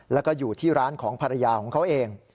แล้วก็อยู่ที่ร้านของภรรยาของเขาเอง